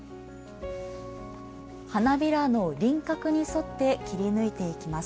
花びらの輪郭に沿って切り抜いていきます。